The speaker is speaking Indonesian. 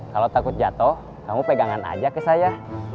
kalo takut jatoh kamu pegangan aja ke saya